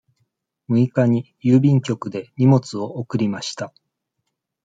六日に郵便局で荷物を送りました。